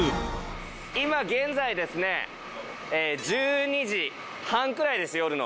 今現在ですね１２時半くらいです夜の。